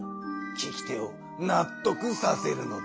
聞き手をなっとくさせるのだ。